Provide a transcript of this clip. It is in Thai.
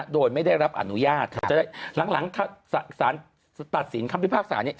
โดยไม่ได้รับอนุญาตหลังสารตัดสินคำพิพากษานี้